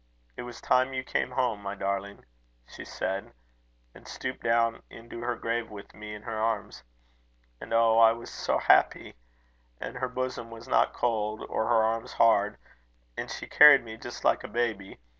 'It was time you came home, my darling,' she said, and stooped down into her grave with me in her arms. And oh! I was so happy; and her bosom was not cold, or her arms hard, and she carried me just like a baby.